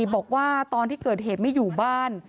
บอกว่าตอนที่เกิดเหตุไม่อยู่บ้าน